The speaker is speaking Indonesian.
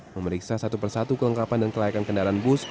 memeriksa satu persatu kelengkapan dan kelayakan kendaraan bus